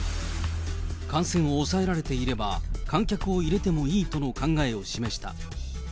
感染を抑えられていれば、観客を入れてもいいとの考えを示した。